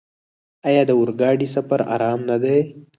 آیا د اورګاډي سفر ارام نه دی؟